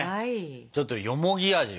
ちょっとよもぎ味を。